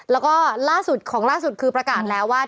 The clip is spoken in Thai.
แล้วก็ล่าสุดของล่าสุดคือประกาศแล้วว่า